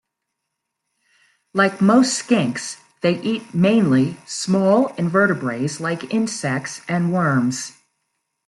Like most skinks, they eat mainly small invertebrates like insects and worms.